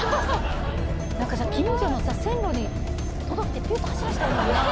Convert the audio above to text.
なんかさ近所の線路に届けてピュッと走らせたらいいのにな。